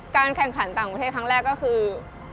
แข่งขันต่างประเทศครั้งแรกก็คือ